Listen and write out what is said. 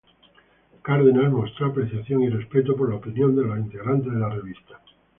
Cárdenas mostró apreciación y respeto por la opinión de los integrantes de la revista.